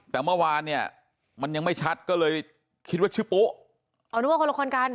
แต่เมื่อวานเนี่ยมันยังไม่ชัดก็เลยคิดว่าชื่อปุ๊อ๋อนึกว่าคนละครกัน